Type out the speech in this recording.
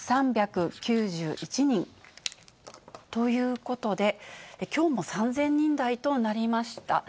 ３３９１人ということで、きょうも３０００人台となりました。